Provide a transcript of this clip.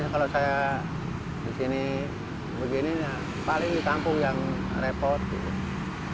kalau saya begini disana paling di kampung yang repot gitu